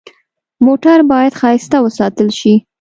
موټر باید ښایسته وساتل شي.